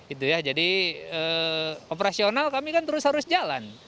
itu ya jadi operasional kami kan terus harus jalan